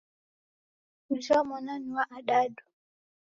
Ujha mwana ni wa adadadu